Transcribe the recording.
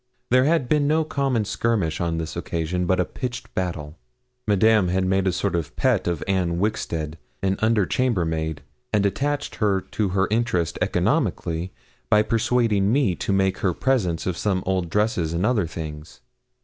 There had been no common skirmish on this occasion, but a pitched battle. Madame had made a sort of pet of Anne Wixted, an under chambermaid, and attached her to her interest economically by persuading me to make her presents of some old dresses and other things.